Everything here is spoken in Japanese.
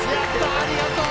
ありがとう！